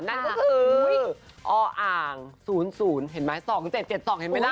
นั่นก็คือออศูนย์ศูนย์ศูนย์ศูนย์เห็นไหมส่องเห็นไหมล่ะ